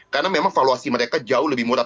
karena memang valuasi mereka jauh lebih murah